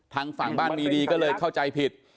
ทางฝั่งบ้านมีดีก็เลยเข้าใจผิด